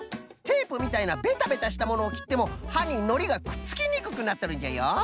テープみたいなベタベタしたものをきってもはにのりがくっつきにくくなっとるんじゃよ。